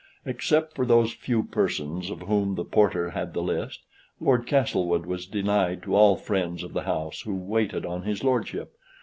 Except for those few persons of whom the porter had the list, Lord Castlewood was denied to all friends of the house who waited on his lordship.